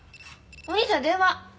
お兄ちゃん電話。